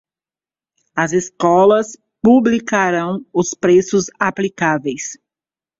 As escolas publicarão os preços aplicáveis.